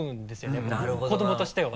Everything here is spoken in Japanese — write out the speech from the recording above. やっぱ子どもとしては。